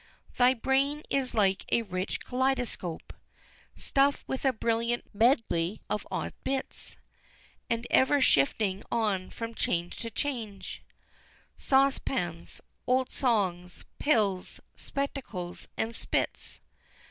Thy brain is like a rich Kaleidoscope, Stuff'd with a brilliant medley of odd bits, And ever shifting on from change to change, Saucepans old Songs Pills Spectacles and Spits!